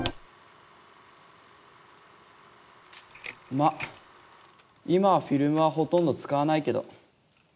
まあ今はフィルムはほとんどつかわないけど。